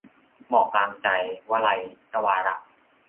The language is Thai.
หมอกกลางใจ - วลัย นวาระ